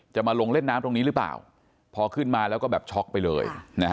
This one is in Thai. จะมาลงเล่นน้ำตรงนี้หรือเปล่าพอขึ้นมาแล้วก็แบบช็อกไปเลย